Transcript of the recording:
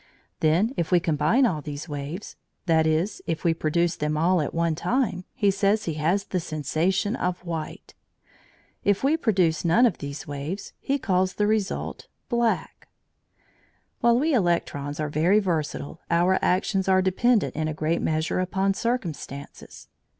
Then if we combine all these waves that is, if we produce them all at one time he says he has the sensation of white. If we produce none of these waves, he calls the result black. While we electrons are very versatile, our actions are dependent in a great measure upon circumstances.